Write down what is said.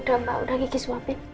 udah mbak udah gigi suapin